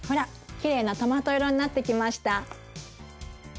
きれいなトマト色になってきました。